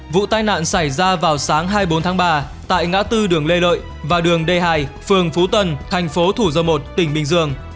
vụ tai nạn xảy ra vào sáng hai mươi bốn tháng ba tại ngã tư đường lê lợi và đường d hai phường phú tân thành phố thủ dầu một tỉnh bình dương